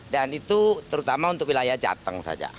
dan itu terutama untuk wilayah jateng saja